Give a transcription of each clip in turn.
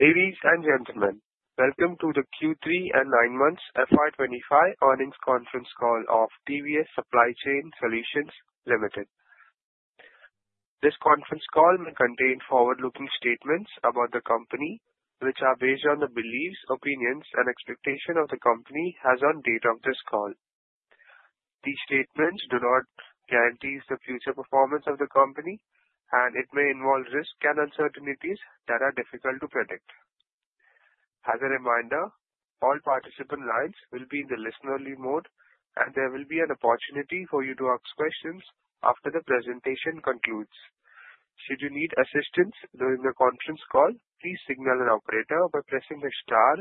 Ladies and gentlemen, welcome to the Q3 and 9 Months FY25 Earnings Conference Call of TVS Supply Chain Solutions Limited. This conference call may contain forward-looking statements about the company, which are based on the beliefs, opinions, and expectations the company has on the date of this call. These statements do not guarantee the future performance of the company, and it may involve risks and uncertainties that are difficult to predict. As a reminder, all participant lines will be in the listen-only mode, and there will be an opportunity for you to ask questions after the presentation concludes. Should you need assistance during the conference call, please signal an operator by pressing the star,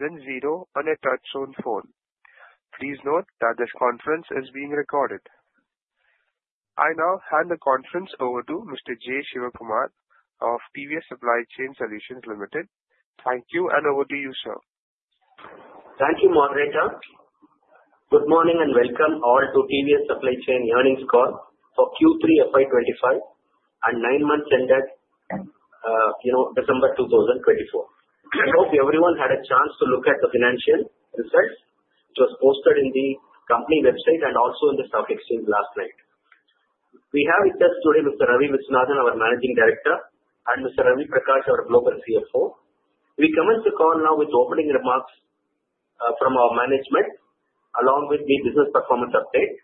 then zero on a touch-tone phone. Please note that this conference is being recorded. I now hand the conference over to Mr. J. Shivakumar of TVS Supply Chain Solutions Limited. Thank you, and over to you, sir. Thank you, Margarita. Good morning and welcome all to TVS Supply Chain Earnings Call for Q3 FY25 and nine months ended, December 2024. I hope everyone had a chance to look at the financial results which were posted on the company website and also on the stock exchange last night. We have with us today Mr. Ravi Viswanathan, our Managing Director, and Mr. Ravi Prakash, our Global CFO. We commence the call now with opening remarks from our management, along with the business performance update.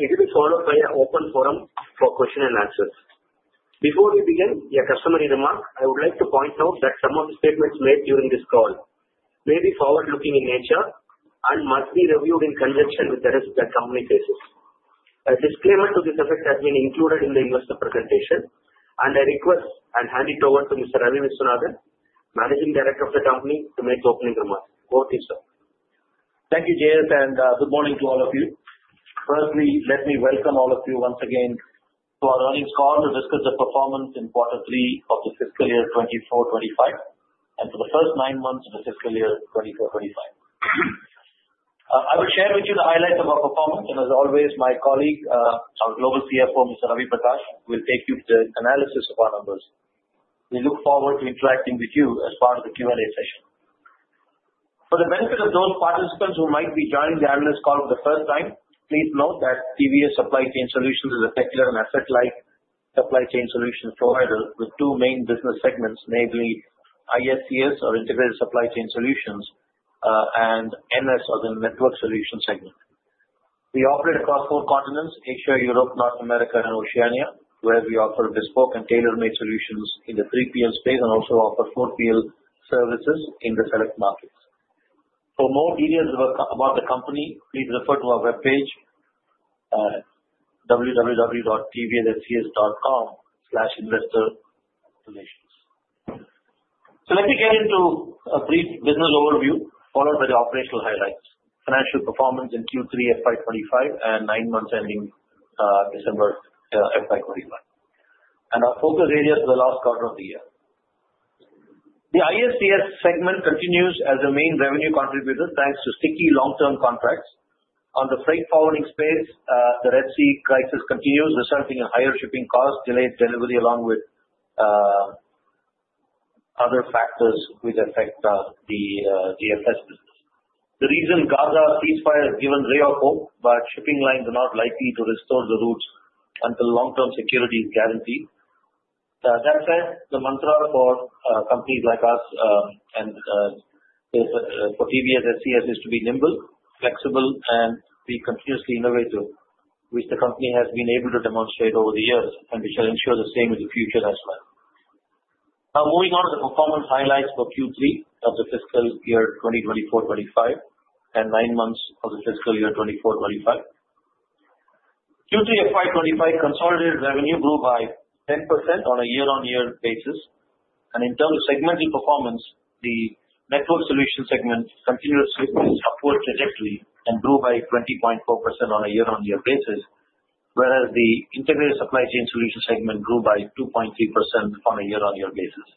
It will be followed by an open forum for questions and answers. Before we begin the customary remark, I would like to point out that some of the statements made during this call may be forward-looking in nature and must be reviewed in conjunction with the risk that the company faces. A disclaimer to this effect has been included in the investor presentation, and I request and hand it over to Mr. Ravi Viswanathan, Managing Director of the company, to make the opening remarks. Over to you, sir. Thank you, J. Shivakumar, and good morning to all of you. Firstly, let me welcome all of you once again to our earnings call to discuss the performance in Q3 of the fiscal year 24/25 and for the first nine months of the fiscal year 24/25. I will share with you the highlights of our performance, and as always, my colleague, our Global CFO, Mr. Ravi Prakash, will take you to the analysis of our numbers. We look forward to interacting with you as part of the Q&A session. For the benefit of those participants who might be joining the analyst call for the first time, please note that TVS Supply Chain Solutions is a secular and asset-like supply chain solutions provider with two main business segments, namely ISCS, or Integrated Supply Chain Solutions, and NS, or the Network Solutions segment. We operate across four continents: Asia, Europe, North America, and Oceania, where we offer bespoke and tailor-made solutions in the 3PL space and also offer 4PL services in the select markets. For more details about the company, please refer to our webpage, www.tvsscs.com/investor-relations, so let me get into a brief business overview, followed by the operational highlights: financial performance in Q3 FY25 and nine months ending December FY25, and our focus areas for the last quarter of the year. The ISCS segment continues as the main revenue contributor thanks to sticky long-term contracts. On the freight forwarding space, the Red Sea crisis continues, resulting in higher shipping costs, delayed delivery, along with other factors which affect the GFS business. The recent Gaza ceasefire has given a ray of hope, but shipping lines are not likely to restore the routes until long-term security is guaranteed. That said, the mantra for companies like us and for TVS SCS is to be nimble, flexible, and be continuously innovative, which the company has been able to demonstrate over the years, and we shall ensure the same in the future as well. Now, moving on to the performance highlights for Q3 of the fiscal year 2024/25 and nine months of the fiscal year 2024/25. Q3 FY25, consolidated revenue grew by 10% on a year-on-year basis, and in terms of segmental performance, the Network Solutions segment continued its upward trajectory and grew by 20.4% on a year-on-year basis, whereas the Integrated Supply Chain Solutions segment grew by 2.3% on a year-on-year basis.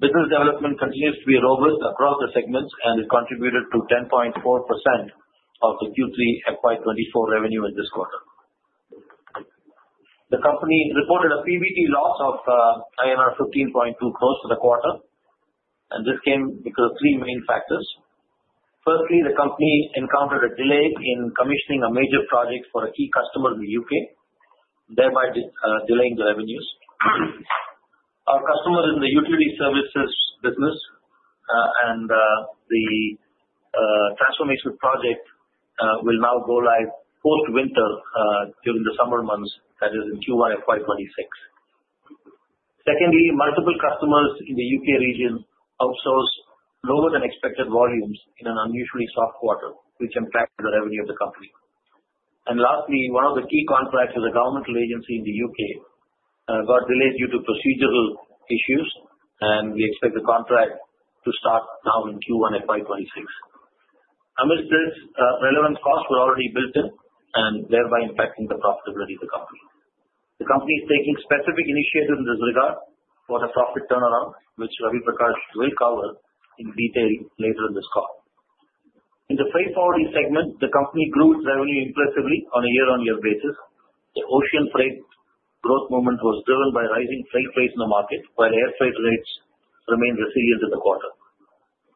Business development continues to be robust across the segments, and it contributed to 10.4% of the Q3 FY24 revenue in this quarter. The company reported a PBT loss of 15.2 crores for the quarter, and this came because of three main factors. Firstly, the company encountered a delay in commissioning a major project for a key customer in the U.K., thereby delaying the revenues. Our customer is in the utility services business, and the transformation project will now go live post-winter during the summer months, that is, in Q1 FY26. Secondly, multiple customers in the U.K. region outsourced lower-than-expected volumes in an unusually soft quarter, which impacted the revenue of the company, and lastly, one of the key contracts with a governmental agency in the U.K. got delayed due to procedural issues, and we expect the contract to start now in Q1 FY26. Amidst this, relevant costs were already built in, and thereby impacting the profitability of the company. The company is taking specific initiatives in this regard for the profit turnaround, which Ravi Prakash will cover in detail later in this call. In the freight forwarding segment, the company grew its revenue impressively on a year-on-year basis. The ocean freight growth momentum was driven by rising freight rates in the market, while air freight rates remained resilient in the quarter.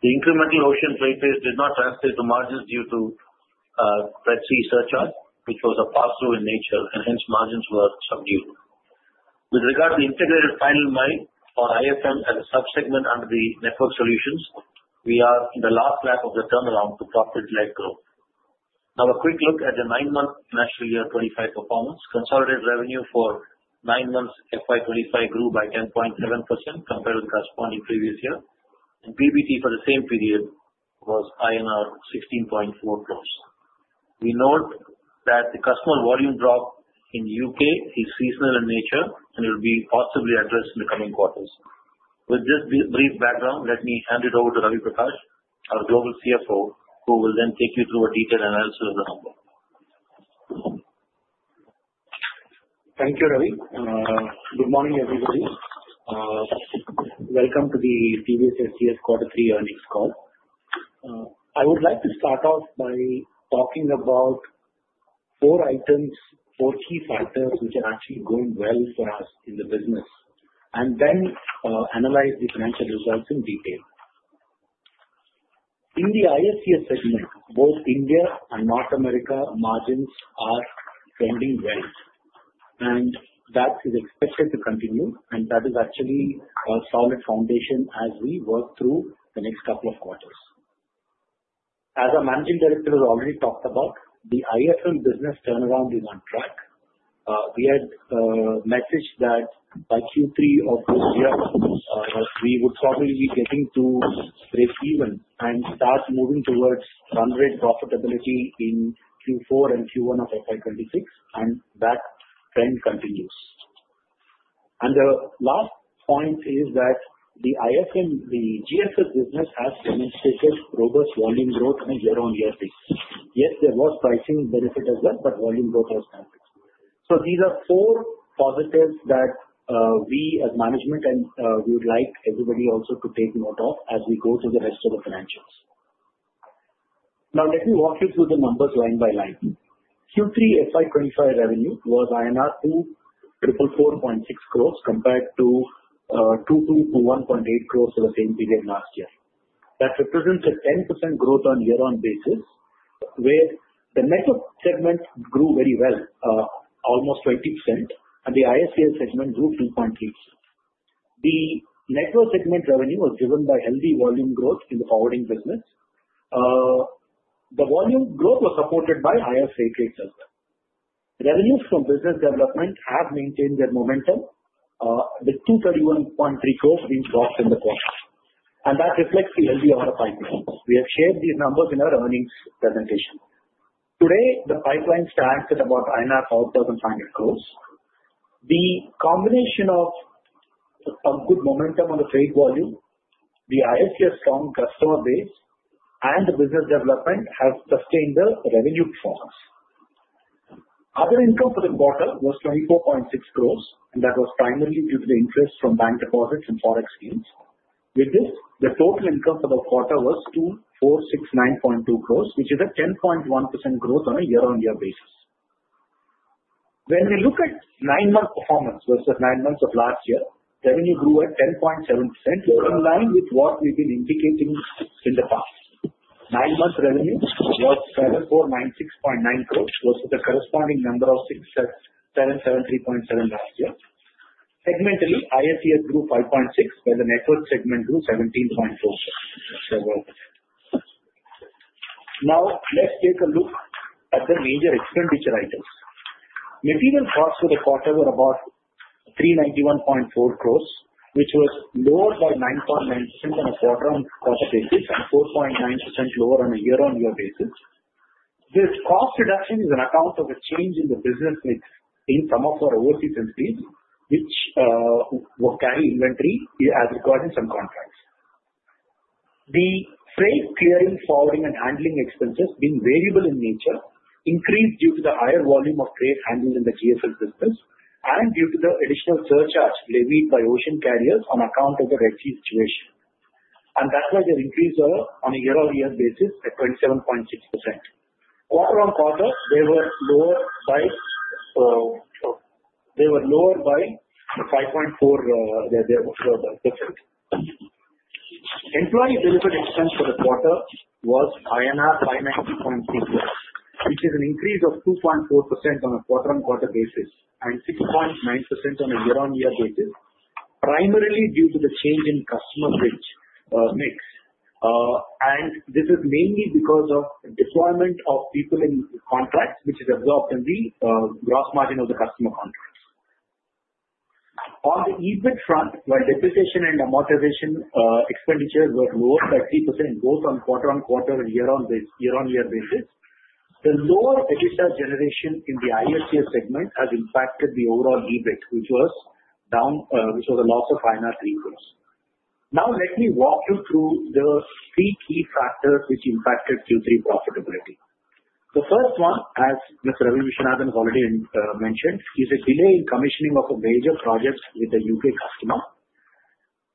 The incremental ocean freight rates did not translate to margins due to Red Sea surcharge, which was a pass-through in nature, and hence margins were subdued. With regard to the Integrated Final Mile for IFM as a subsegment under the Network Solutions, we are in the last lap of the turnaround to profitable growth. Now, a quick look at the nine months FY25 performance. Consolidated revenue for 9 Months FY25 grew by 10.7% compared with the corresponding previous year, and PBT for the same period was INR 16.4 crores. We note that the customer volume drop in the U.K. is seasonal in nature and will be possibly addressed in the coming quarters. With this brief background, let me hand it over to Ravi Prakash, our Global CFO, who will then take you through a detailed analysis of the number. Thank you, Ravi. Good morning, everybody. Welcome to the TVS SCS Q3 earnings call. I would like to start off by talking about four items, four key factors which are actually going well for us in the business, and then analyze the financial results in detail. In the ISCS segment, both India and North America margins are trending well, and that is expected to continue, and that is actually a solid foundation as we work through the next couple of quarters. As our Managing Director has already talked about, the IFM business turnaround is on track. We had messaged that by Q3 of this year, we would probably be getting to break even and start moving towards run rate profitability in Q4 and Q1 of FY26, and that trend continues, and the last point is that the GFS business has demonstrated robust volume growth on a year-on-year basis. Yes, there was pricing benefit as well, but volume growth has been good. So these are four positives that we, as management, and we would like everybody also to take note of as we go through the rest of the financials. Now, let me walk you through the numbers line by line. Q3 FY25 revenue was 244.6 crores INR compared to 221.8 crores for the same period last year. That represents a 10% growth on a year-on-year basis, where the network segment grew very well, almost 20%, and the ISCS segment grew 2.3%. The network segment revenue was driven by healthy volume growth in the forwarding business. The volume growth was supported by higher freight rates as well. Revenues from business development have maintained their momentum, with 231.3 crores being booked in the quarter, and that reflects the healthy ROI business. We have shared these numbers in our earnings presentation. Today, the pipeline stands at about 12,500 crores. The combination of good momentum on the freight volume, the ISCS strong customer base, and the business development has sustained the revenue performance. Other income for the quarter was 24.6 crores, and that was primarily due to the interest from bank deposits and forex deals. With this, the total income for the quarter was 2,469.2 crores, which is a 10.1% growth on a year-on-year basis. When we look at nine months performance versus nine months of last year, revenue grew at 10.7%, which is in line with what we've been indicating in the past. Nine months revenue was 7,496.9 crores versus the corresponding number of 6,773.7 last year. Segmentally, ISCS grew 5.6%, where the Network Solutions segment grew 17.4%. Now, let's take a look at the major expenditure items. Material costs for the quarter were about 391.4 crores, which was lower by 9.9% on a quarter-on-quarter basis and 4.9% lower on a year-on-year basis. This cost reduction is on account of a change in the business in some of our overseas entities, which will carry inventory as required in some contracts. The freight clearing, forwarding, and handling expenses, being variable in nature, increased due to the higher volume of freight handled in the GFS business and due to the additional surcharge levied by ocean carriers on account of the Red Sea situation, and that's why they increased on a year-on-year basis at 27.6%. Quarter-on-quarter, they were lower by 5.4%. Employee benefit expense for the quarter was INR 590.3 crores, which is an increase of 2.4% on a quarter-on-quarter basis and 6.9% on a year-on-year basis, primarily due to the change in customer mix. This is mainly because of the deployment of people in contracts, which is absorbed in the gross margin of the customer contracts. On the EBIT front, while depreciation and amortization expenditures were lower by 3% both on quarter-on-quarter and year-on-year basis, the lower EBITDA generation in the ISCS segment has impacted the overall EBIT, which was down, which was a loss of 3 crores. Now, let me walk you through the three key factors which impacted Q3 profitability. The first one, as Mr. Ravi Viswanathan has already mentioned, is a delay in commissioning of a major project with a UK customer.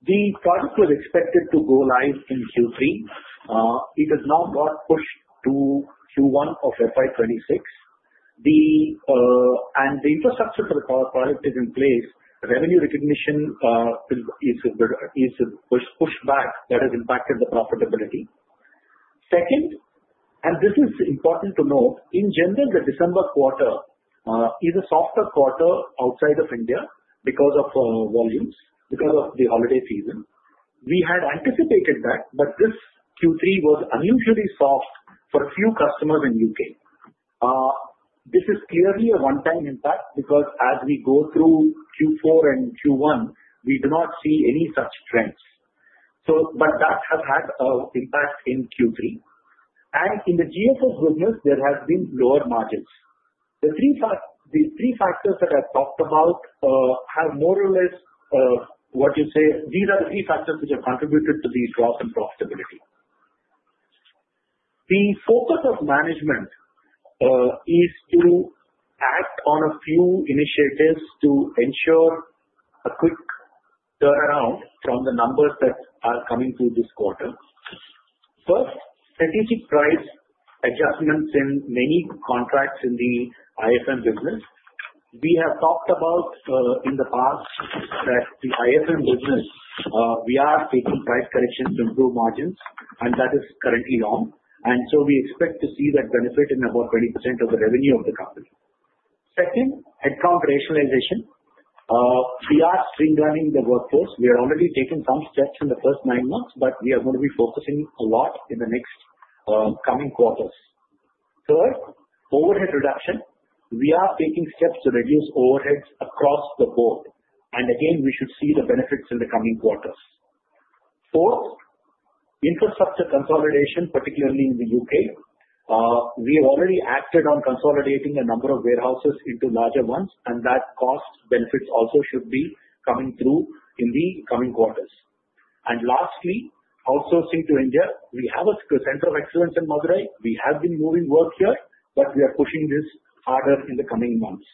The product was expected to go live in Q3. It has now got pushed to Q1 of FY26, and the infrastructure for the product is in place. Revenue recognition is pushed back, that has impacted the profitability. Second, and this is important to note, in general, the December quarter is a softer quarter outside of India because of volumes, because of the holiday season. We had anticipated that, but this Q3 was unusually soft for a few customers in the UK. This is clearly a one-time impact because as we go through Q4 and Q1, we do not see any such trends. But that has had an impact in Q3. And in the GFS business, there have been lower margins. The three factors that I've talked about have more or less, what you say, these are the three factors which have contributed to these drops in profitability. The focus of management is to act on a few initiatives to ensure a quick turnaround from the numbers that are coming through this quarter. First, strategic price adjustments in many contracts in the IFM business. We have talked about in the past that the IFM business, we are taking price corrections to improve margins, and that is currently on. And so we expect to see that benefit in about 20% of the revenue of the company. Second, headcount rationalization. We are streamlining the workforce. We are already taking some steps in the first nine months, but we are going to be focusing a lot in the next coming quarters. Third, overhead reduction. We are taking steps to reduce overheads across the board. And again, we should see the benefits in the coming quarters. Fourth, infrastructure consolidation, particularly in the U.K. We have already acted on consolidating a number of warehouses into larger ones, and that cost benefits also should be coming through in the coming quarters. And lastly, outsourcing to India. We have a Center of Excellence in Madurai. We have been moving work here, but we are pushing this harder in the coming months.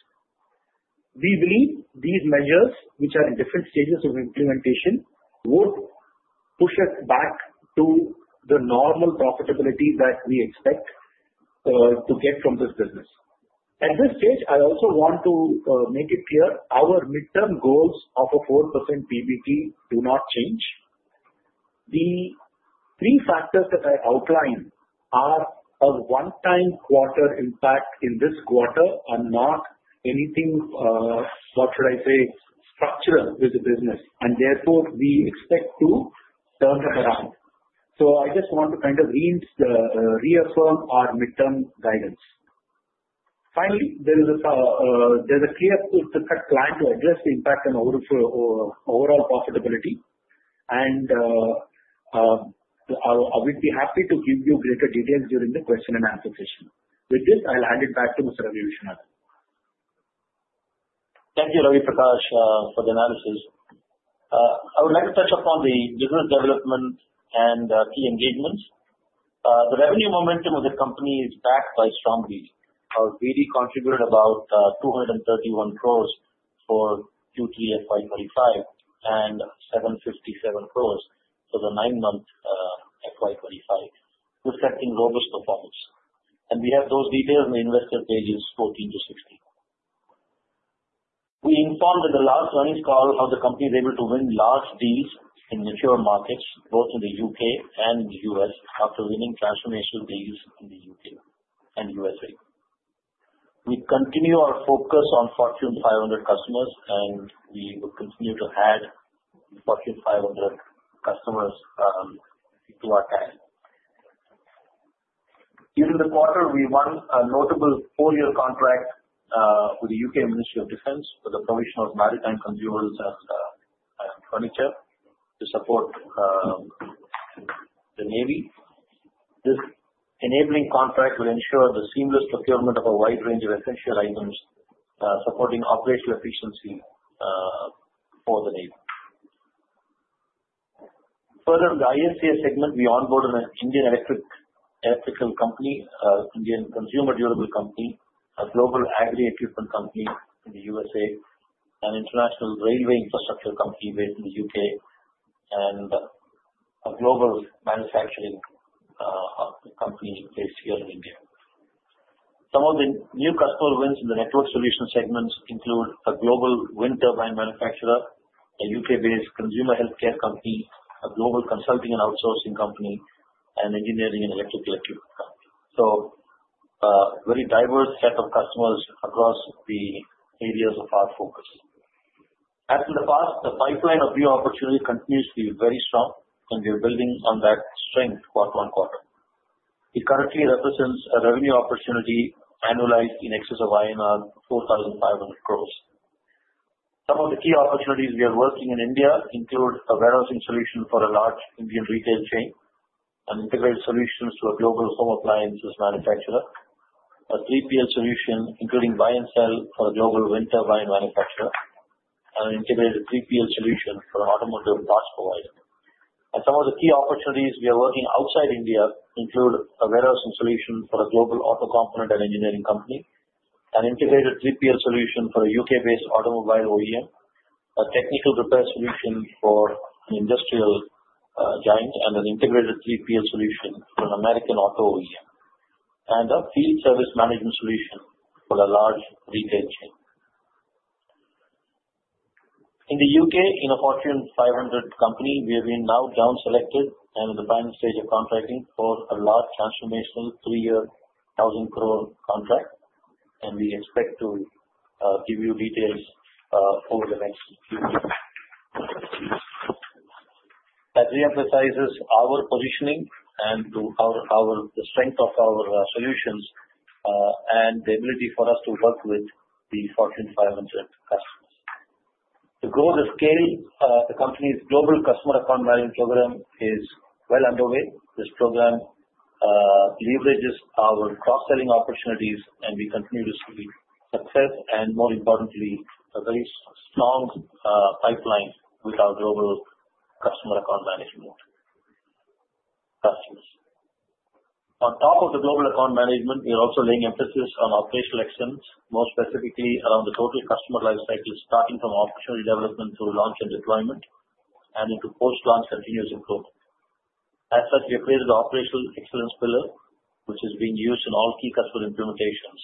We believe these measures, which are in different stages of implementation, would push us back to the normal profitability that we expect to get from this business. At this stage, I also want to make it clear, our midterm goals of a 4% PBT do not change. The three factors that I outlined are a one-time quarter impact in this quarter and not anything, what should I say, structural with the business, and therefore we expect to turn them around. So I just want to kind of reaffirm our midterm guidance. Finally, there is a clear cut plan to address the impact on overall profitability, and I will be happy to give you greater details during the question and answer session. With this, I'll hand it back to Mr. Ravi Viswanathan. Thank you, Ravi Prakash, for the analysis. I would like to touch upon the business development and key engagements. The revenue momentum of the company is backed by strong leads. We contributed about 231 crores for Q3 FY25 and 757 crores for the nine months FY25, reflecting robust performance. And we have those details in the investor pages 14 to 16. We informed in the last earnings call how the company is able to win large deals in mature markets, both in the UK and the US, after winning transformational deals in the UK and USA. We continue our focus on Fortune 500 customers, and we will continue to add Fortune 500 customers to our ranks. During the quarter, we won a notable four-year contract with the UK Ministry of Defence for the provision of maritime consumables and furniture to support the Navy. This enabling contract will ensure the seamless procurement of a wide range of essential items, supporting operational efficiency for the Navy. Further, in the ISCS segment, we onboarded an Indian electrical company, an Indian consumer durable company, a global agri-equipment company in the USA, an international railway infrastructure company based in the UK, and a global manufacturing company based here in India. Some of the new customer wins in the Network Solutions segments include a global wind turbine manufacturer, a UK-based consumer healthcare company, a global consulting and outsourcing company, and an engineering and electrical equipment company, so a very diverse set of customers across the areas of our focus. As in the past, the pipeline of new opportunity continues to be very strong, and we are building on that strength quarter-on-quarter. It currently represents a revenue opportunity annualized in excess of INR 4,500 crores. Some of the key opportunities we are working in India include a warehousing solution for a large Indian retail chain, an integrated solution to a global home appliances manufacturer, a 3PL solution including buy and sell for a global wind turbine manufacturer, and an integrated 3PL solution for an automotive parts provider, and some of the key opportunities we are working outside India include a warehousing solution for a global auto component and engineering company, an integrated 3PL solution for a UK-based automobile OEM, a technical repair solution for an industrial giant, and an integrated 3PL solution for an American auto OEM, and a field service management solution for a large retail chain. In the U.K., in a Fortune 500 company, we have been now down-selected and in the final stage of contracting for a large transformational three-year thousand crore contract, and we expect to give you details over the next few years. That re-emphasizes our positioning and the strength of our solutions and the ability for us to work with the Fortune 500 customers. To grow the scale, the company's global customer account management program is well underway. This program leverages our cross-selling opportunities, and we continue to see success and, more importantly, a very strong pipeline with our global customer account management customers. On top of the Global Account Management, we are also laying emphasis on operational excellence, more specifically around the total customer lifecycle, starting from opportunity development through launch and deployment and into post-launch continuous improvement. As such, we have created an operational excellence pillar, which is being used in all key customer implementations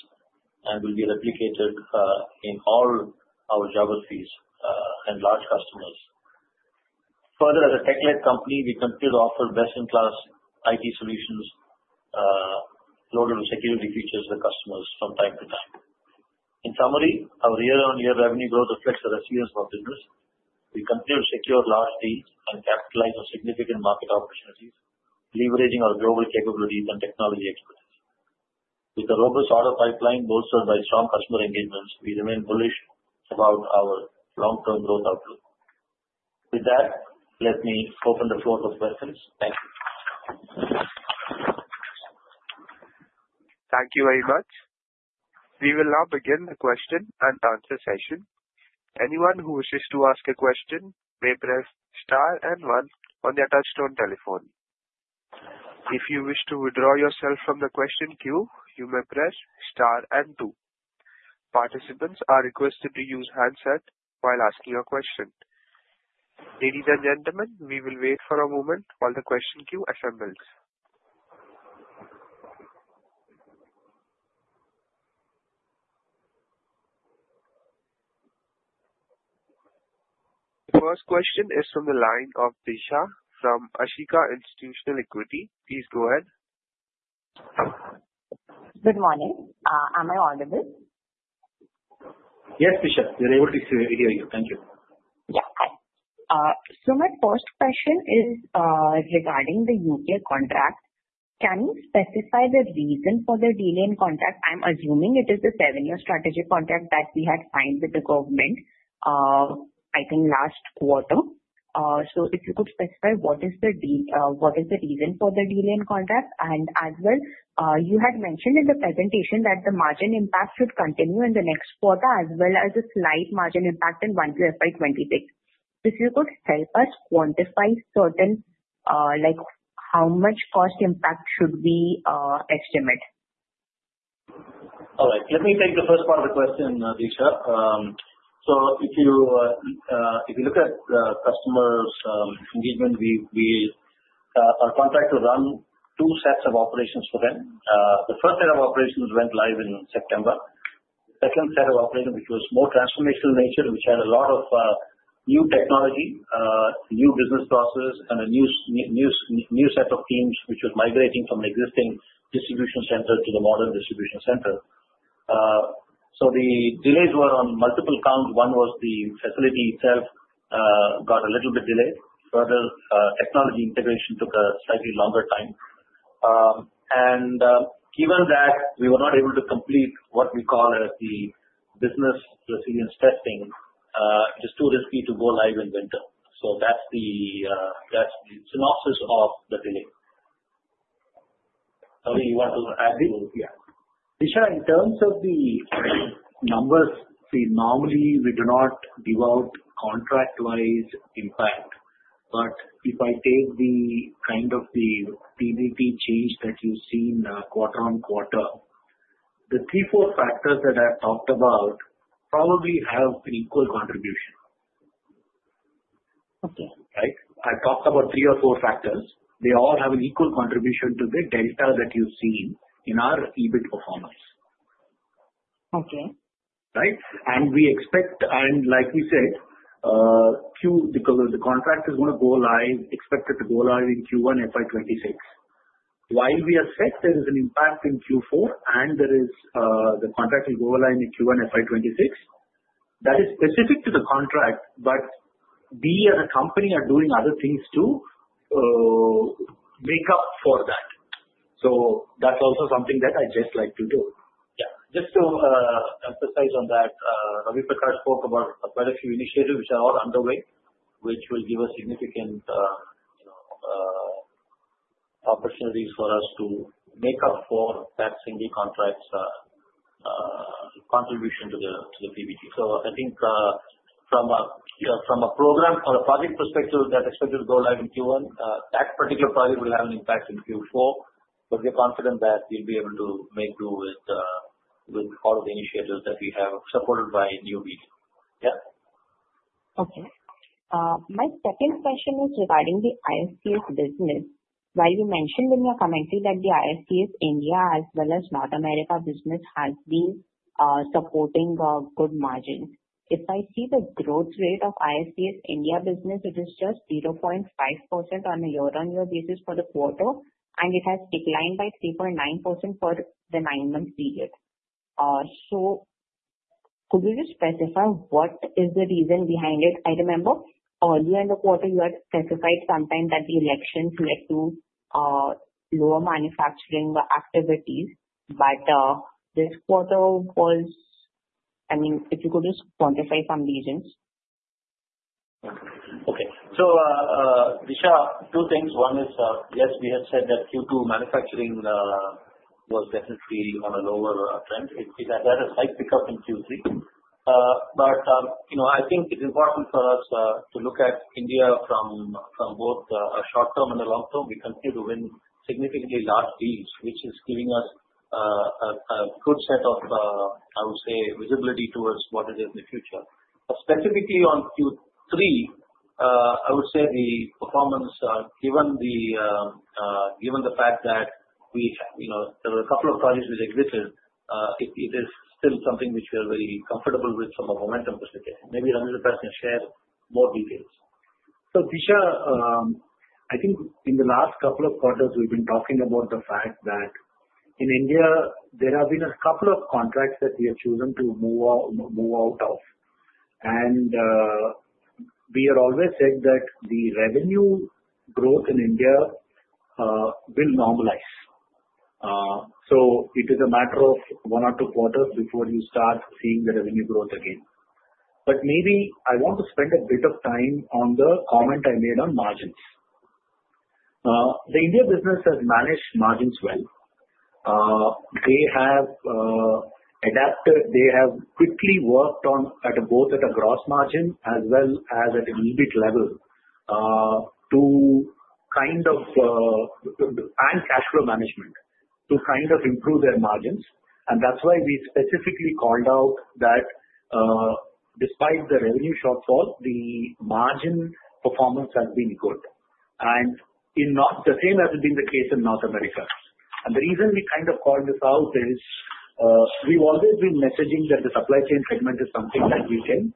and will be replicated in all our geographies and large customers. Further, as a tech-led company, we continue to offer best-in-class IT solutions loaded with security features to the customers from time to time. In summary, our year-on-year revenue growth reflects the resilience of our business. We continue to secure large deals and capitalize on significant market opportunities, leveraging our global capabilities and technology expertise. With a robust order pipeline bolstered by strong customer engagements, we remain bullish about our long-term growth outlook. With that, let me open the floor for questions. Thank you. Thank you very much. We will now begin the question and answer session. Anyone who wishes to ask a question may press star and one on their touch-tone telephone. If you wish to withdraw yourself from the question queue, you may press star and two. Participants are requested to use handset while asking a question. Ladies and gentlemen, we will wait for a moment while the question queue assembles. The first question is from the line of Disha from Ashika Institutional Equity. Please go ahead. Good morning. Am I audible? Yes, Disha. We are able to hear you. Thank you. Yeah. Hi. So my first question is regarding the U.K. contract. Can you specify the reason for the delay in contract? I'm assuming it is the seven-year strategic contract that we had signed with the government, I think last quarter. So if you could specify what is the reason for the delay in contract? And as well, you had mentioned in the presentation that the margin impact should continue in the next quarter, as well as a slight margin impact in one-year FY26. If you could help us quantify certain how much cost impact should we estimate? All right. Let me take the first part of the question, Disha. So if you look at the customer's engagement, we are contracted to run two sets of operations for them. The first set of operations went live in September. The second set of operations, which was more transformational in nature, which had a lot of new technology, new business processes, and a new set of teams, which was migrating from the existing distribution center to the modern distribution center. So the delays were on multiple counts. One was the facility itself got a little bit delayed. Further, technology integration took a slightly longer time. And given that we were not able to complete what we call as the business resilience testing, it is too risky to go live in winter. So that's the synopsis of the delay. Sorry, you want to add? Yeah. Disha, in terms of the numbers, normally we do not disclose contract-wise impact. But if I take kind of the PBT change that you've seen quarter-on-quarter, the three, four factors that I've talked about probably have an equal contribution. Okay. Right? I've talked about three or four factors. They all have an equal contribution to the delta that you've seen in our EBIT performance. Okay. Right? And we expect, and like we said, because the contract is going to go live, expect it to go live in Q1 FY26. While we expect there is an impact in Q4, and the contract will go live in Q1 FY26, that is specific to the contract, but we as a company are doing other things to make up for that. So that's also something that I'd just like to do. Yeah. Just to emphasize on that, Ravi Prakash spoke about quite a few initiatives which are all underway, which will give us significant opportunities for us to make up for that single contract's contribution to the PBT. So I think from a program or a project perspective, that's expected to go live in Q1. That particular project will have an impact in Q4, but we're confident that we'll be able to make do with all of the initiatives that we have supported by new business. Yeah. Okay. My second question is regarding the ISCS business. While you mentioned in your commentary that the ISCS India, as well as North America business, has been supporting good margins, if I see the growth rate of ISCS India business, it is just 0.5% on a year-on-year basis for the quarter, and it has declined by 3.9% for the nine-month period. So could you just specify what is the reason behind it? I remember earlier in the quarter, you had specified sometime that the elections led to lower manufacturing activities, but this quarter was. I mean, if you could just quantify some reasons. Okay. So Disha, two things. One is, yes, we had said that Q2 manufacturing was definitely on a lower trend. It has had a slight pickup in Q3. But I think it's important for us to look at India from both a short-term and a long-term. We continue to win significantly large deals, which is giving us a good set of, I would say, visibility towards what it is in the future. Specifically on Q3, I would say the performance, given the fact that there were a couple of projects we exited, it is still something which we are very comfortable with from a momentum perspective. Maybe Ravi Prakash can share more details. So Disha, I think in the last couple of quarters, we've been talking about the fact that in India, there have been a couple of contracts that we have chosen to move out of. We have always said that the revenue growth in India will normalize. So it is a matter of one or two quarters before you start seeing the revenue growth again. But maybe I want to spend a bit of time on the comment I made on margins. The India business has managed margins well. They have adapted. They have quickly worked both at a gross margin as well as at an EBIT level and cash flow management to kind of improve their margins. That's why we specifically called out that despite the revenue shortfall, the margin performance has been good. The same has been the case in North America. The reason we kind of called this out is we've always been messaging that the supply chain segment is something that we can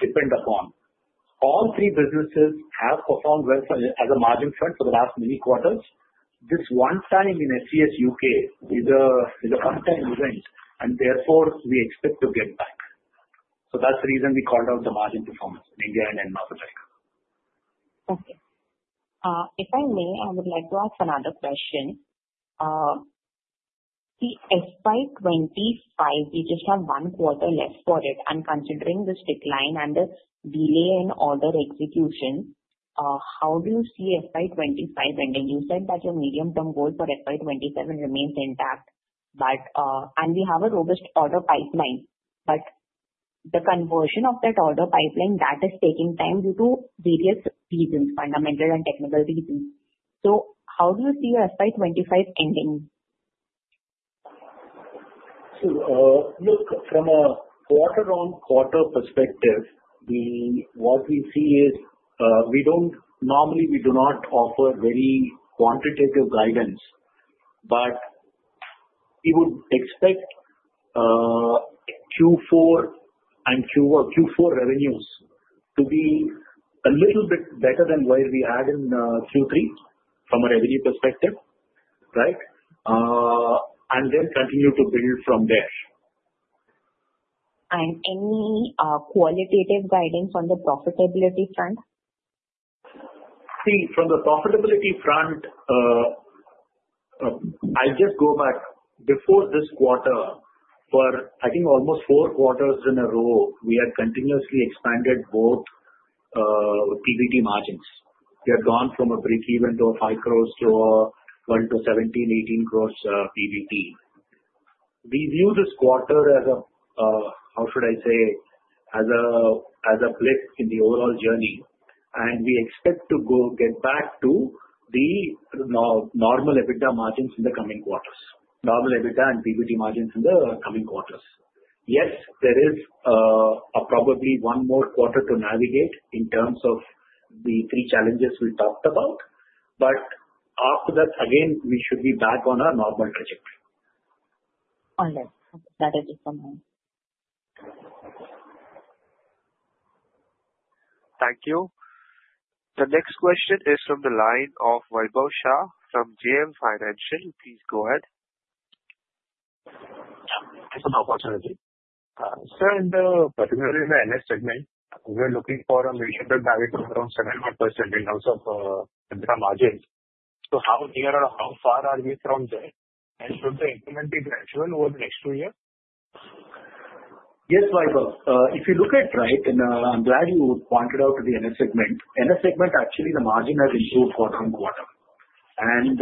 depend upon. All three businesses have performed well as a margin front for the last many quarters. This one time in SCS UK is a first-time event, and therefore we expect to get back, so that's the reason we called out the margin performance in India and North America. Okay. If I may, I would like to ask another question. See, FY25, we just have one quarter left for it. And considering this decline and the delay in order execution, how do you see FY25 ending? You said that your medium-term goal for FY27 remains intact, and we have a robust order pipeline. But the conversion of that order pipeline, that is taking time due to various reasons, fundamental and technical reasons. So how do you see FY25 ending? Look, from a quarter-on-quarter perspective, what we see is normally we do not offer very quantitative guidance, but we would expect Q4 and Q4 revenues to be a little bit better than where we had in Q3 from a revenue perspective, right, and then continue to build from there. Any qualitative guidance on the profitability front? See, from the profitability front, I'll just go back. Before this quarter, for I think almost four quarters in a row, we had continuously expanded both PBT margins. We had gone from a breakeven to 5 crores to INR one to 17-18 crores PBT. We view this quarter as a, how should I say, as a blip in the overall journey, and we expect to get back to the normal EBITDA margins in the coming quarters, normal EBITDA and PBT margins in the coming quarters. Yes, there is probably one more quarter to navigate in terms of the three challenges we talked about, but after that, again, we should be back on our normal trajectory. All right. That is it from me. Thank you. The next question is from the line of Vaibhav Shah from JM Financial. Please go ahead. Thank you so much, Ravi. Sir, in particular in the NS segment, we are looking for a medium-term guide of around 71% in terms of EBITDA margins. So how near or how far are we from there? And should they implement the actual over the next two years? Yes, Vaibhav. If you look at it. Right? And I'm glad you pointed out the NS segment. NS segment, actually, the margin has improved quarter on quarter. And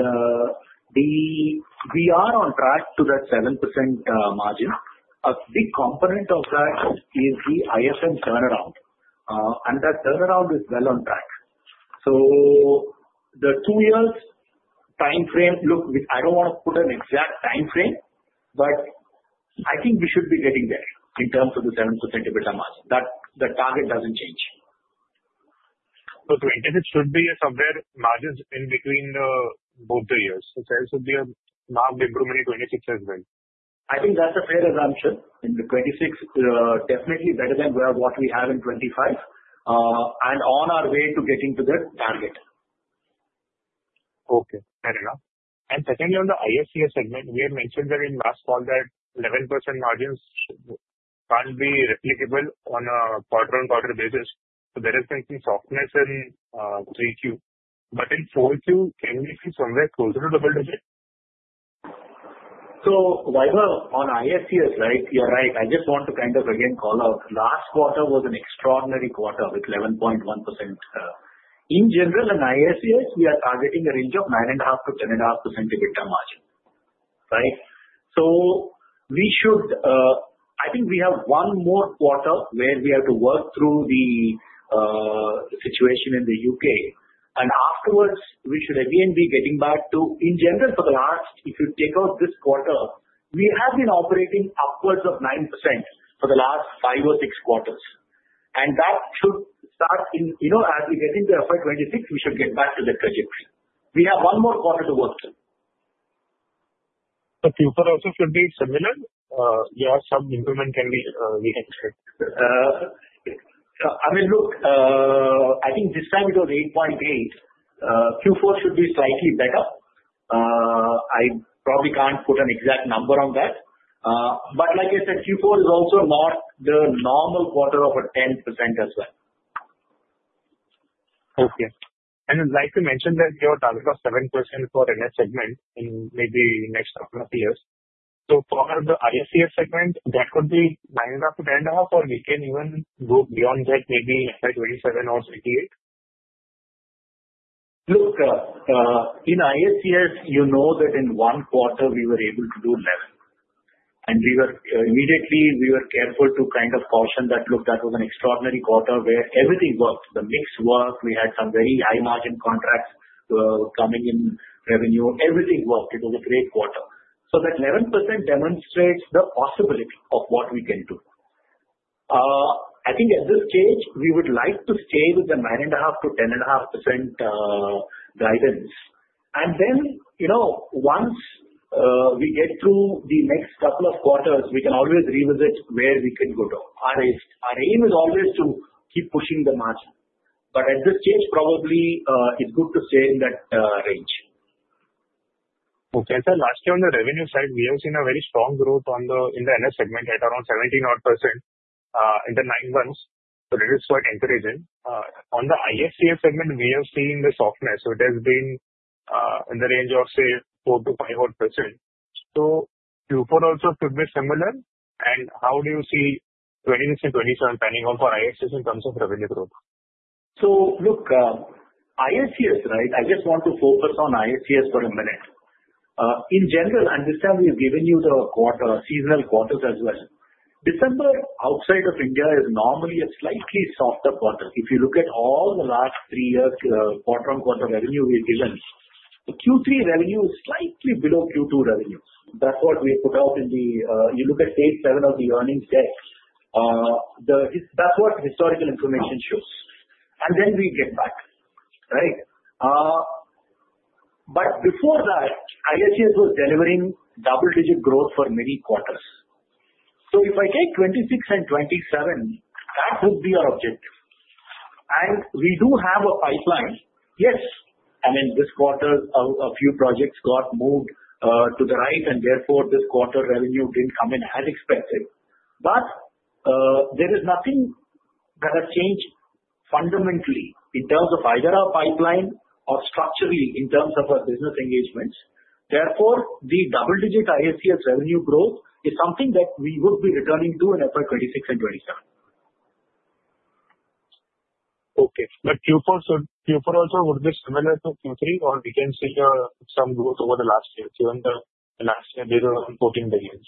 we are on track to that 7% margin. A big component of that is the IFM turnaround. And that turnaround is well on track. So the two-year time frame, look, I don't want to put an exact time frame, but I think we should be getting there in terms of the 7% EBITDA margin. The target doesn't change. So, 2026 should be somewhere margins in between both the years. So there should be a marked improvement in 26 as well. I think that's a fair assumption. In the 2026, definitely better than what we have in 2025, and on our way to getting to that target. Okay. Fair enough. And secondly, on the ISCS segment, we had mentioned that in last call that 11% margins can't be replicable on a quarter-on-quarter basis. So there is going to be softness in 3Q. But in 4Q, can we see somewhere closer to double-digit? So Vaibhav, on ISCS, right, you're right. I just want to kind of again call out, last quarter was an extraordinary quarter with 11.1%. In general, in ISCS, we are targeting a range of 9.5%-10.5% EBITDA margin, right? I think we have one more quarter where we have to work through the situation in the U.K. Afterwards, we should again be getting back to, in general, for the last, if you take out this quarter, we have been operating upwards of 9% for the last five or six quarters. That should start in, as we get into FY26, we should get back to that trajectory. We have one more quarter to work through. So Q4 also should be similar? Yeah, some improvement can be expected. I mean, look, I think this time it was 8.8. Q4 should be slightly better. I probably can't put an exact number on that. But like I said, Q4 is also not the normal quarter of a 10% as well. Okay. And like you mentioned that your target of 7% for NS segment in maybe next couple of years. So for the ISCS segment, that could be 9.5%-10.5%, or we can even go beyond that, maybe FY2027 or 2028? Look, in ISCS, you know that in one quarter, we were able to do 11%. And immediately, we were careful to kind of caution that, look, that was an extraordinary quarter where everything worked. The mix worked. We had some very high-margin contracts coming in revenue. Everything worked. It was a great quarter. So that 11% demonstrates the possibility of what we can do. I think at this stage, we would like to stay with the 9.5%-10.5% guidance. And then once we get through the next couple of quarters, we can always revisit where we could go to. Our aim is always to keep pushing the margin. But at this stage, probably it's good to stay in that range. Okay. So last year, on the revenue side, we have seen a very strong growth in the NS segment, right, around 17% in the nine months. So that is quite encouraging. On the ISCS segment, we have seen the softness. So it has been in the range of, say, 4%-5%. So Q4 also could be similar. And how do you see 26 and 27, depending on for ISCS in terms of revenue growth? So look, ISCS, right? I just want to focus on ISCS for a minute. In general, and this time we've given you the seasonal quarters as well. December outside of India is normally a slightly softer quarter. If you look at all the last three years, quarter-on-quarter revenue we've given, Q3 revenue is slightly below Q2 revenue. That's what we have put out in the. You look at phase seven of the earnings deck. That's what historical information shows. And then we get back, right? But before that, ISCS was delivering double-digit growth for many quarters. So if I take 26 and 27, that would be our objective. And we do have a pipeline. Yes. And in this quarter, a few projects got moved to the right, and therefore this quarter revenue didn't come in as expected. But there is nothing that has changed fundamentally in terms of either our pipeline or structurally in terms of our business engagements. Therefore, the double-digit ISCS revenue growth is something that we would be returning to in FY2026 and 2027. Okay. But Q4 also would be similar to Q3, or we can see some growth over the last year given the last year there were INR 14 billion?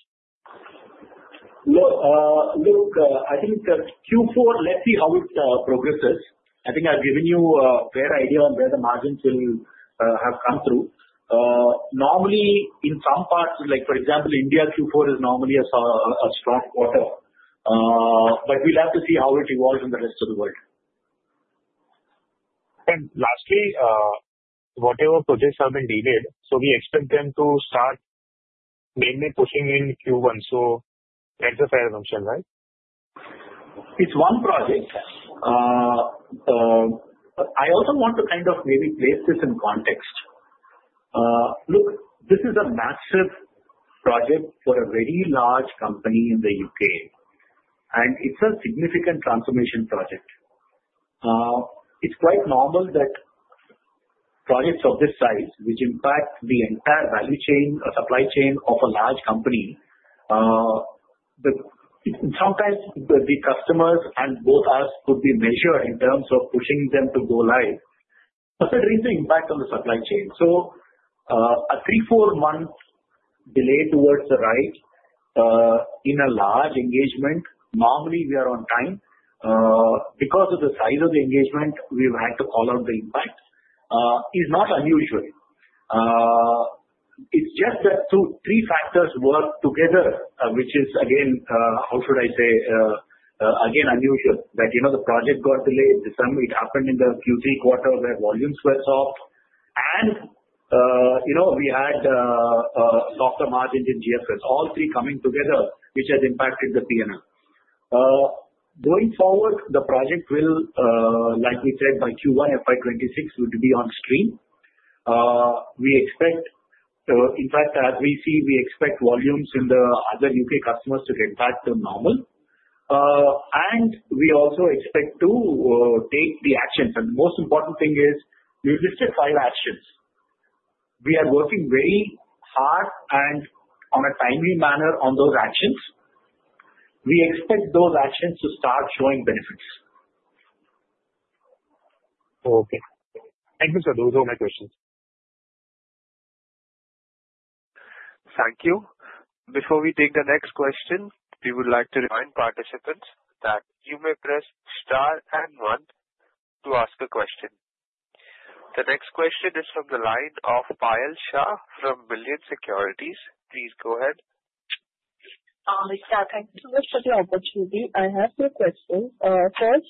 Look, I think Q4, let's see how it progresses. I think I've given you a fair idea on where the margins will have come through. Normally, in some parts, like for example, India, Q4 is normally a strong quarter. But we'll have to see how it evolves in the rest of the world. Lastly, whatever projects have been delayed, so we expect them to start mainly pushing in Q1. So that's a fair assumption, right? It's one project. I also want to kind of maybe place this in context. Look, this is a massive project for a very large company in the U.K., and it's a significant transformation project. It's quite normal that projects of this size, which impact the entire value chain or supply chain of a large company, sometimes the customers and both us could be measured in terms of pushing them to go live, considering the impact on the supply chain. So a three- or four-month delay toward the right in a large engagement. Normally we are on time. Because of the size of the engagement, we've had to call out the impact. It's not unusual. It's just that two or three factors work together, which is, again, how should I say, again, unusual that the project got delayed. It happened in the Q3 quarter where volumes were soft. We had softer margins in GFS, all three coming together, which has impacted the P&L. Going forward, the project will, like we said, by Q1, FY26 would be on stream. We expect, in fact, as we see, we expect volumes in the other UK customers to get back to normal. We also expect to take the actions. The most important thing is we listed five actions. We are working very hard and on a timely manner on those actions. We expect those actions to start showing benefits. Okay. Thank you, sir. Those are my questions. Thank you. Before we take the next question, we would like to remind participants that you may press star and one to ask a question. The next question is from the line of Payal Shah from Billion Securities. Please go ahead. Thank you so much for the opportunity. I have two questions. First,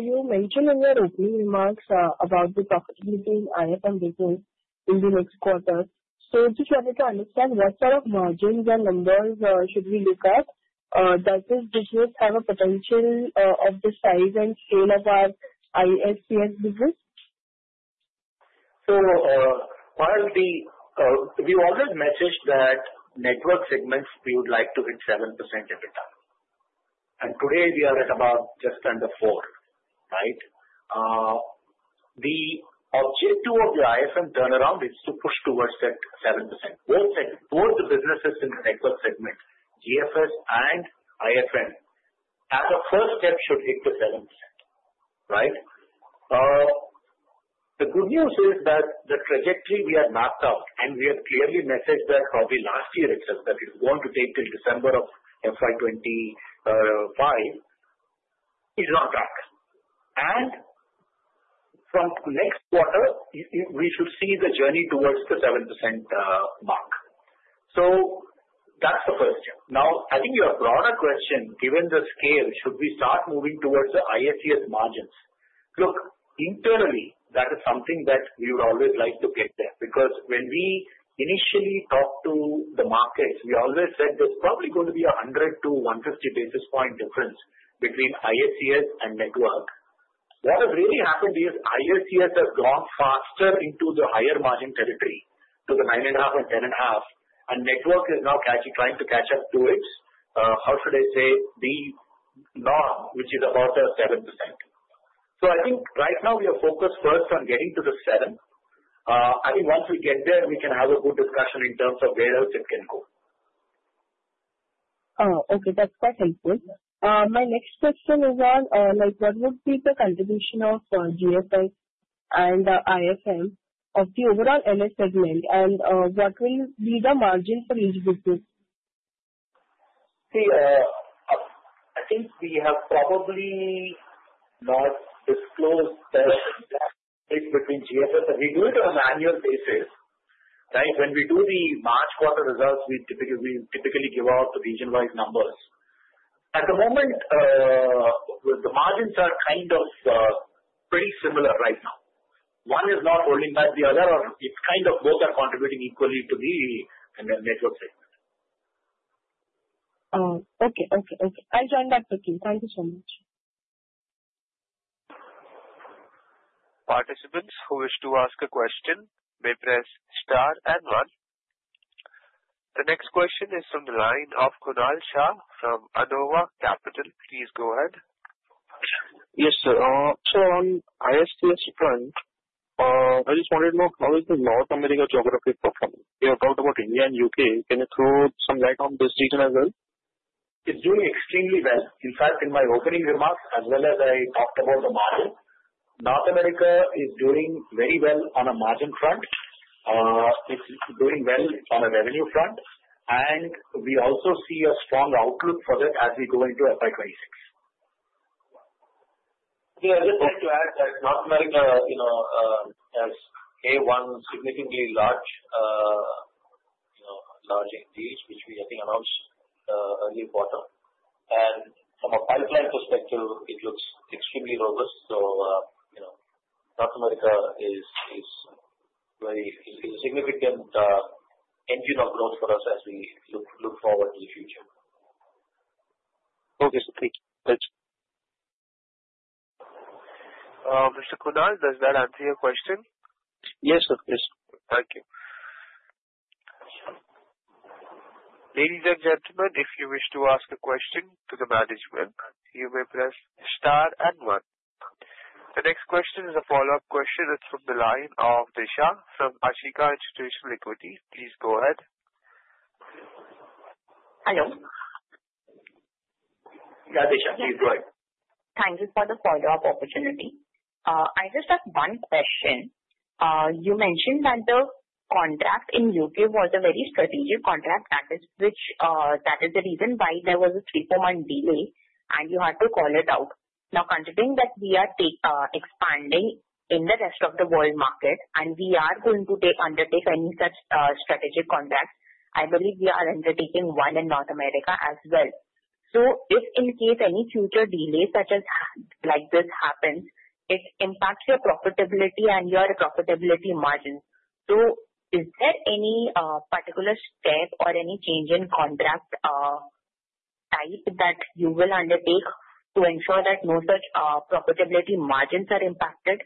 you mentioned in your opening remarks about the profitability in IFM business in the next quarter. So if we wanted to understand what sort of margins and numbers should we look at? Does this business have a potential of the size and scale of our ISCS business? We always message that network segments we would like to hit 7% EBITDA. Today, we are at about just under 4%, right? The objective of the IFM turnaround is to push towards that 7%. Both the businesses in the network segment, GFS and IFM, as a first step, should hit the 7%, right? The good news is that the trajectory we have mapped out, and we have clearly messaged that probably last year itself, that it's going to take till December of FY25, is on track. From next quarter, we should see the journey towards the 7% mark. That's the first step. Now, I think your broader question, given the scale, should we start moving towards the ISCS margins? Look, internally, that is something that we would always like to get there. Because when we initially talked to the markets, we always said there's probably going to be a 100 to 150 basis points difference between ISCS and network. What has really happened is ISCS has gone faster into the higher margin territory, to the 9.5% and 10.5%, and network is now trying to catch up to it, how should I say, the norm, which is about 7%. So I think right now, we are focused first on getting to the 7%. I think once we get there, we can have a good discussion in terms of where else it can go. Oh, okay. That's quite helpful. My next question is on what would be the contribution of GFS and IFM of the overall NS segment, and what will be the margin for each business? See, I think we have probably not disclosed the gap between GFS and we do it on an annual basis, right? When we do the March quarter results, we typically give out region-wide numbers. At the moment, the margins are kind of pretty similar right now. One is not holding back the other, or it's kind of both are contributing equally to the network segment. Oh, okay. Okay. Okay. I'll join back quickly. Thank you so much. Participants who wish to ask a question may press star and one. The next question is from the line of Kunal Shah Nuevo Capital. please go ahead. Yes, sir. So on ISCS front, I just wanted to know how is the North America geography performing? We have talked about India and U.K. Can you throw some light on this region as well? It's doing extremely well. In fact, in my opening remarks as well, I talked about the margin. North America is doing very well on a margin front. It's doing well on a revenue front. And we also see a strong outlook for that as we go into FY26. Yeah. I just wanted to add that North America has won significantly large engagements, which we, I think, announced early quarter. And from a pipeline perspective, it looks extremely robust. So North America is a significant engine of growth for us as we look forward to the future. Okay. Thank you. Thanks. Mr. Kunal, does that answer your question? Yes, sir. Yes. Thank you. Ladies and gentlemen, if you wish to ask a question to the management, you may press star and one. The next question is a follow-up question. It's from the line of Disha from Ashika Institutional Equity. Please go ahead. Hello. Yeah, Disha, please go ahead. Thank you for the follow-up opportunity. I just have one question. You mentioned that the contract in U.K. was a very strategic contract. That is the reason why there was a three- or four-month delay, and you had to call it out. Now, considering that we are expanding in the rest of the world market, and we are going to undertake any such strategic contracts, I believe we are undertaking one in North America as well. So if in case any future delay such as this happens, it impacts your profitability and your profitability margins. So is there any particular step or any change in contract type that you will undertake to ensure that no such profitability margins are impacted?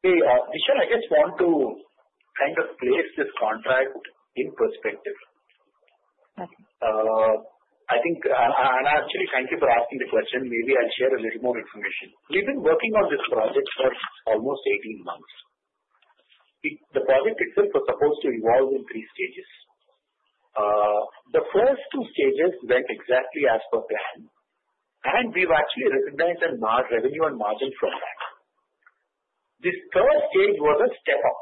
See, Disha, I just want to kind of place this contract in perspective. I think, and actually, thank you for asking the question. Maybe I'll share a little more information. We've been working on this project for almost 18 months. The project itself was supposed to evolve in three stages. The first two stages went exactly as per plan, and we've actually recognized revenue and margin from that. This third stage was a step up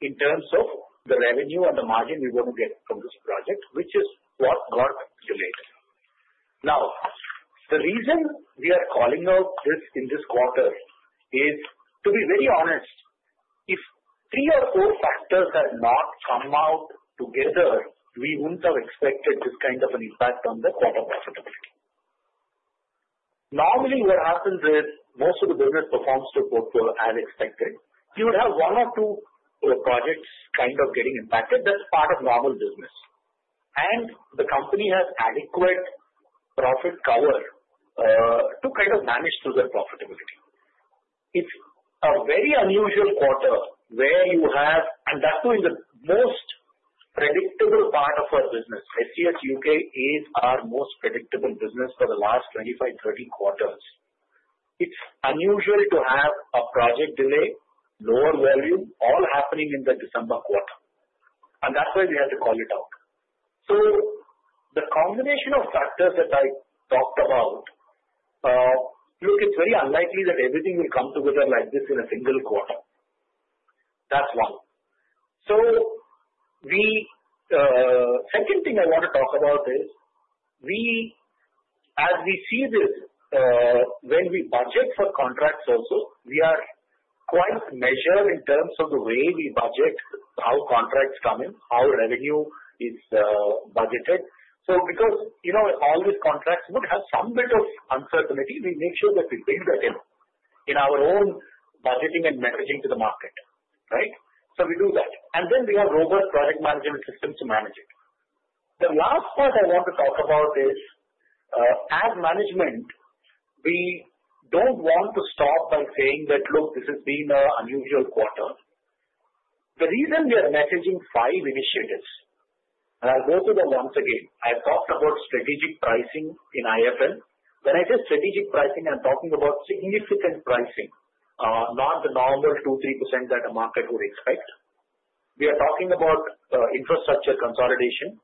in terms of the revenue and the margin we want to get from this project, which is what got delayed. Now, the reason we are calling out this in this quarter is, to be very honest, if three or four factors had not come out together, we wouldn't have expected this kind of an impact on the quarter profitability. Normally, what happens is most of the business performs to portfolio as expected. You would have one or two projects kind of getting impacted. That's part of normal business, and the company has adequate profit cover to kind of manage through their profitability. It's a very unusual quarter where you have, and that's in the most predictable part of our business. SCS UK is our most predictable business for the last 25, 30 quarters. It's unusual to have a project delay, lower volume, all happening in the December quarter, and that's why we had to call it out, so the combination of factors that I talked about, look, it's very unlikely that everything will come together like this in a single quarter. That's one, so the second thing I want to talk about is, as we see this, when we budget for contracts also, we are quite measured in terms of the way we budget, how contracts come in, how revenue is budgeted. So because all these contracts would have some bit of uncertainty, we make sure that we bring that in in our own budgeting and messaging to the market, right? So we do that. And then we have robust project management systems to manage it. The last part I want to talk about is, as management, we don't want to stop by saying that, "Look, this has been an unusual quarter." The reason we are messaging five initiatives, and I'll go through them once again. I've talked about strategic pricing in IFM. When I say strategic pricing, I'm talking about significant pricing, not the normal 2%-3% that a market would expect. We are talking about infrastructure consolidation.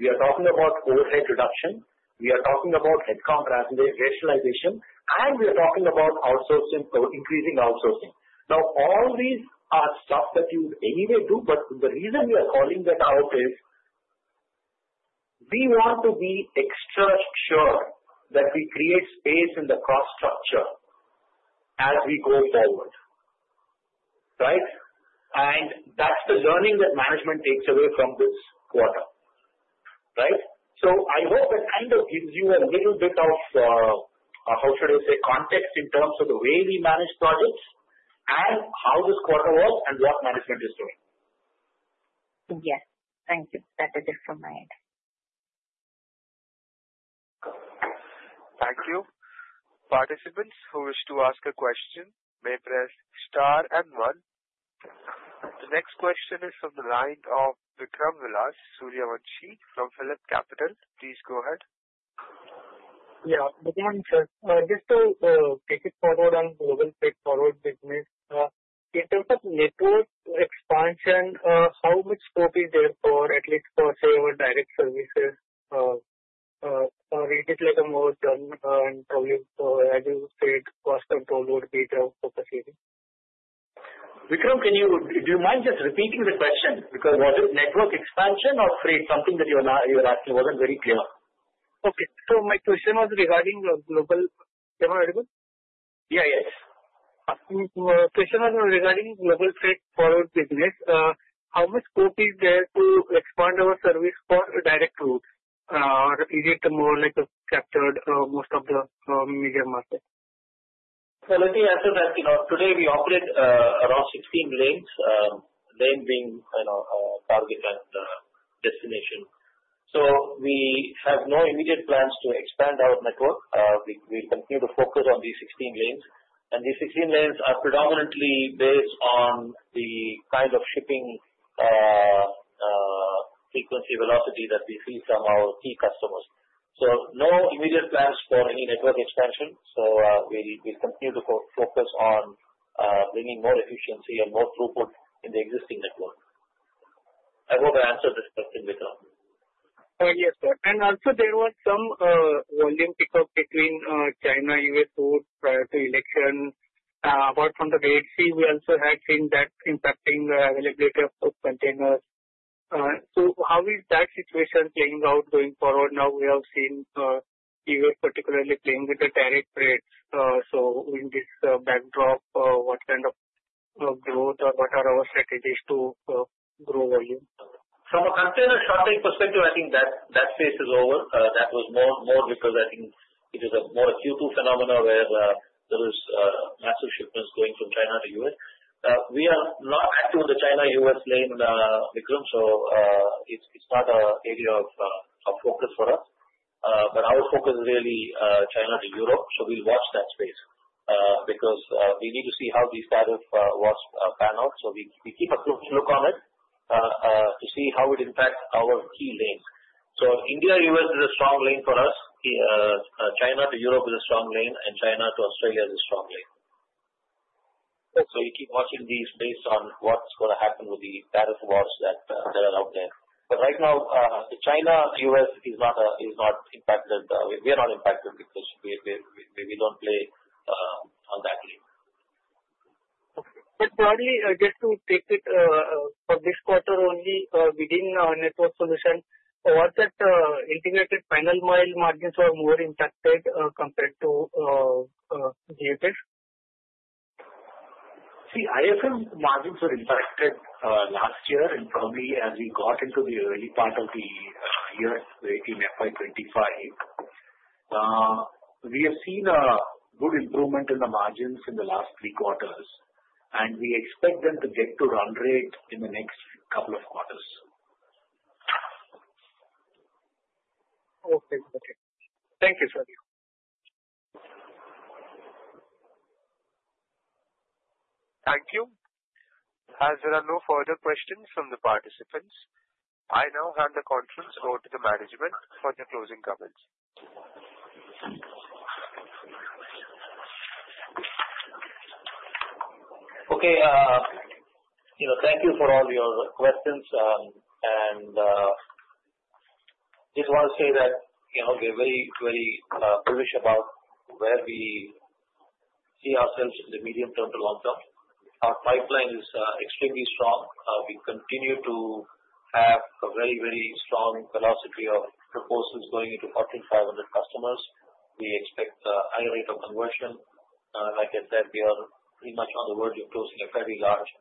We are talking about overhead reduction. We are talking about headcount rationalization. And we are talking about outsourcing, increasing outsourcing. Now, all these are stuff that you would anyway do, but the reason we are calling that out is we want to be extra sure that we create space in the cost structure as we go forward, right? And that's the learning that management takes away from this quarter, right? So I hope that kind of gives you a little bit of, how should I say, context in terms of the way we manage projects and how this quarter was and what management is doing. Yes. Thank you. That's it from my end. Thank you. Participants who wish to ask a question may press star and one. The next question is from the line of Vikram Suryavanshi from PhillipCapital. Please go ahead. Yeah. Good morning, sir. Just to take it forward on Global Forwarding Solutions business, in terms of network expansion, how much scope is there for at least for, say, our direct services? Or is it like a more done and probably, as you said, cost control would be the focus area? Vikram, do you mind just repeating the question? Because was it network expansion or freight? Something that you were asking wasn't very clear. Okay. So my question was regarding Global. Yeah, you heard me? Yeah, yes. Question was regarding Global Forwarding Solutions business. How much scope is there to expand our service for direct routes? Or is it more like captured most of the major market? Let me answer that. Today, we operate around 16 lanes, lane being target and destination. We have no immediate plans to expand our network. We continue to focus on these 16 lanes. These 16 lanes are predominantly based on the kind of shipping frequency velocity that we see from our key customers. No immediate plans for any network expansion. We continue to focus on bringing more efficiency and more throughput in the existing network. I hope I answered this question, Vikram. Yes, sir. And also, there was some volume pickup between China, U.S., both prior to election. Apart from the Red Sea, we also had seen that impacting the availability of containers. So how is that situation playing out going forward? Now, we have seen U.S. particularly playing with the direct rates. So in this backdrop, what kind of growth or what are our strategies to grow volume? From a container shipping perspective, I think that phase is over. That was more because I think it is more a Q2 phenomenon where there is massive shipments going from China to US. We are not active in the China-US lane, Vikram. So it's not an area of focus for us. But our focus is really China to Europe. So we'll watch that space because we need to see how these tariffs pan out. So we keep a close look on it to see how it impacts our key lanes. So India-US is a strong lane for us. China to Europe is a strong lane, and China to Australia is a strong lane. So we keep watching these based on what's going to happen with the tariff wars that are out there. But right now, China-US is not impacted. We are not impacted because we don't play on that lane. But broadly, just to take it for this quarter only, within our Network Solutions, was that Integrated Final Mile margins were more impacted compared to GFS? See, IFM margins were impacted last year. And probably as we got into the early part of the year in FY25, we have seen a good improvement in the margins in the last three quarters. And we expect them to get to run rate in the next couple of quarters. Okay. Okay. Thank you, sir. Thank you. As there are no further questions from the participants, I now hand the conference over to the management for their closing comments. Okay. Thank you for all your questions. I just want to say that we're very, very bullish about where we see ourselves in the medium term to long term. Our pipeline is extremely strong. We continue to have a very, very strong velocity of proposals going into 1,500 customers. We expect higher rate of conversion. Like I said, we are pretty much on the verge of closing a fairly large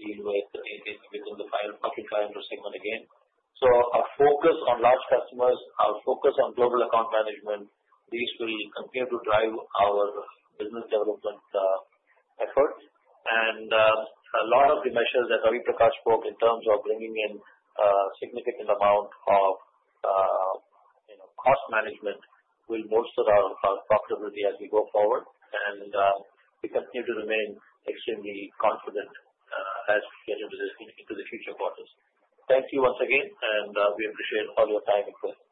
deal within the Final Mile segment again. So our focus on large customers, our focus on Global Account Management, these will continue to drive our business development efforts. And a lot of the measures that Ravi Prakash spoke in terms of bringing in a significant amount of cost management will bolster our profitability as we go forward. And we continue to remain extremely confident as we get into the future quarters. Thank you once again, and we appreciate all your time as well. On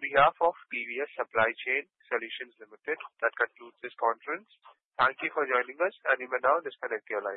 behalf of TVS Supply Chain Solutions Limited, that concludes this conference. Thank you for joining us, and you may now disconnect the line.